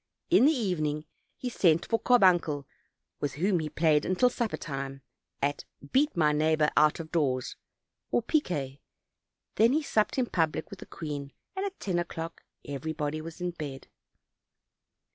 In the evening he sent for Carbuncle, with whom he played until sup per time, at "beat my neighbor out of doors" or piquet; he then supped in public with the queen, and at ten o'clock everybody was in bed.